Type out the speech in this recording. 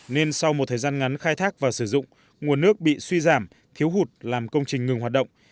nên sau một thời gian ngắn khai thác và sử dụng nguồn nước bị suy giảm thiếu hụt làm công trình ngừng hoạt động